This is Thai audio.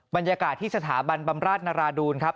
บรรยากาศที่สถาบันบำราชนราดูนครับ